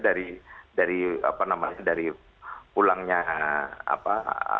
dari apa namanya dari pulangnya apa